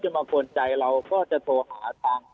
จะมาฝนใจเราก็จะโทรหา